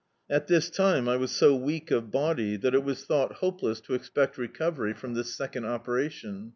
At this time I was so weak of body, that it was D,i.,.db, Google Hospitality thought hopeless to expect recovery from this sec ond operaticn.